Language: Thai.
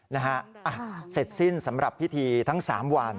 นะฮะเสร็จสิ้นสำหรับพิธีทั้ง๓วัน